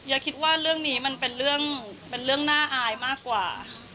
อย่าคิดว่าเรื่องนี้มันเป็นเรื่องน่าอายมากกว่า